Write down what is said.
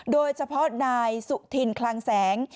โดยเฉพาะนายสุธินคลังแสง